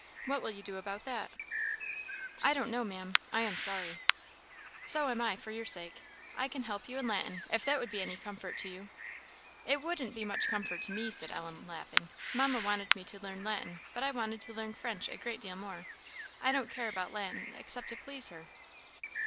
What will you do about that?" "I don't know, Maam; I am sorry." "So am I, for your sake. I can help you in Latin, if that would be any comfort to you." "It wouldn't be much comfort to me," said Ellen, laughing; "Mamma wanted me to learn Latin, but I wanted to learn French a great deal more; I don't care about Latin except to please her."